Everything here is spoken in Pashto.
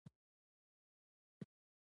پکورې له مالګې پرته خوند نه لري